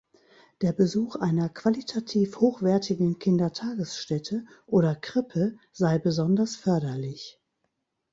Der Besuch einer qualitativ hochwertigen Kindertagesstätte oder Krippe sei besonders förderlich.